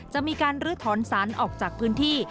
จะมีการลื้อถอนสารออกจากพื้นที่